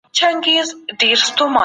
د لويي جرګې د جوړولو رسمي غوښتنه څوک کوي؟